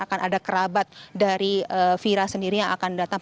akan ada kerabat dari vira sendiri yang akan datang